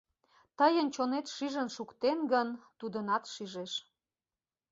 Тыйын чонет шижын шуктен гын, тудынат шижеш.